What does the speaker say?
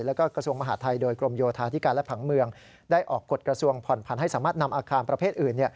แล้วก็กระทรวงมหาดไทยโดยกรมโยธาธิการและผังเมืองได้ออกกฎกระทรวงผ่อนพันให้สามารถนำอาคารประเภทอื่น